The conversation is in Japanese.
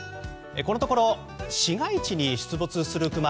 このところ市街地に出没するクマ